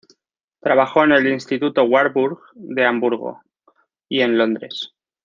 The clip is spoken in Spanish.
Trabajó en el Instituto Warburg de Hamburgo y en Londres.